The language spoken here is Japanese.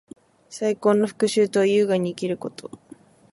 最高の復讐とは，優雅に生きること。